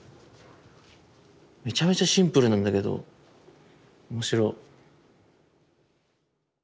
めちゃめちゃシンプルなんだけど面白い。